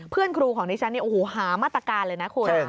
เพื่อนครูของดิฉันเนี่ยโอ้โหหามาตรการเลยนะคุณ